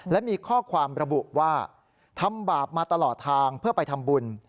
และมีข้อความระบุว่าทำบาปมาตลอดทางเพื่อไปทำบุญ